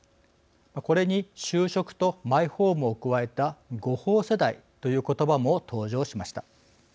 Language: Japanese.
これに就職とマイホームを加えた「５放世代」という言葉も登場しました。